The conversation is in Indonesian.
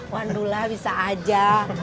wan dulah bisa aja